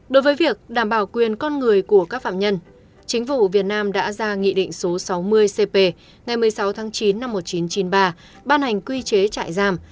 đối với việc đảm bảo quyền con người của các phạm nhân chính phủ việt nam đã ra nghị định số sáu mươi cp ngày một mươi sáu tháng chín năm một nghìn chín trăm chín mươi ba ban hành quy chế trại giam